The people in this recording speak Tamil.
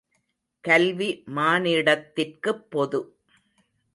கல்வி மானிடத்திற்குப் பொது.